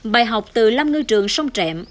bài học từ lâm ngư trường sông trẹm